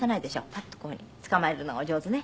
「パッとこういう風に捕まえるのがお上手ね」